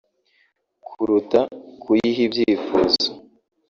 kuruta kuyiha ibyifuzo